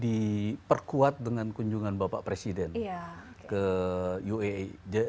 diperkuat dengan kunjungan bapak presiden ke uaa